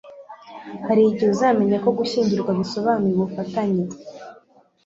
hari igihe uzamenya ko gushyingirwa bisobanura ubufatanye